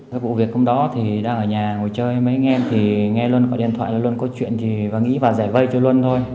các vụ việc hôm đó thì đang ở nhà ngồi chơi mấy ngày thì nghe luân có điện thoại luân có chuyện thì nghĩ vào giải vây cho luân thôi